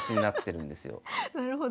なるほど。